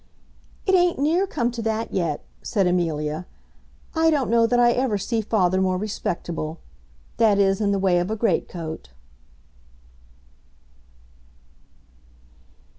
"It ain't near come to that yet," said Amelia. "I don't know that I ever see father more respectable, that is, in the way of a great coat."